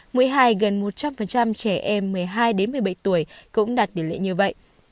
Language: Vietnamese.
mũi hai gần một trăm linh trẻ em một mươi hai một mươi bảy tuổi cũng đạt điểm lệ như vậy